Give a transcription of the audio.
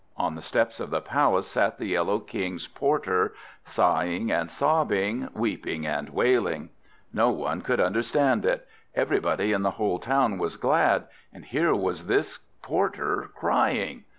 On the steps of the palace sat the Yellow King's porter, sighing and sobbing, weeping and wailing. No one could understand it; everybody in the whole town was glad, and here was this porter crying!